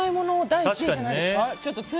第１位じゃないですか